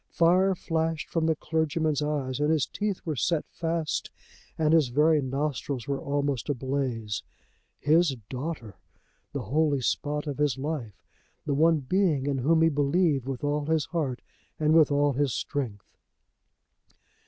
Fire flashed from the clergyman's eyes, and his teeth were set fast and his very nostrils were almost ablaze. His daughter! The holy spot of his life! The one being in whom he believed with all his heart and with all his strength!